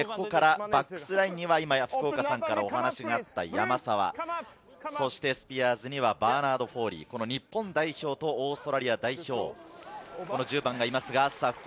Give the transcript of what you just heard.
バックスラインには福岡さんからお話のあった山沢、スピアーズにはバーナード・フォーリー、日本代表とオーストラリア代表の１０番がいます。